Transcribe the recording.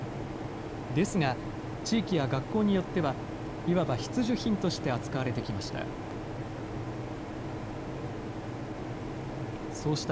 ですが、地域や学校によっては、いわば必需品として扱われてきました。